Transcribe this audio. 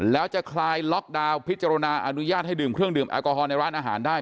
แล้วจะคลายล็อกดาวน์พิจารณาอนุญาตให้ดื่มเครื่องดื่มแอลกอฮอลในร้านอาหารได้